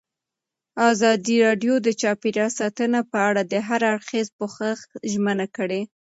ازادي راډیو د چاپیریال ساتنه په اړه د هر اړخیز پوښښ ژمنه کړې.